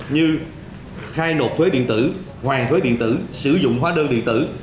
như khai nộp thuế điện tử hoàn thuế điện tử sử dụng hóa đơn điện tử